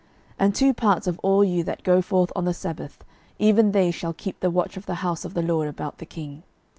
12:011:007 And two parts of all you that go forth on the sabbath, even they shall keep the watch of the house of the LORD about the king.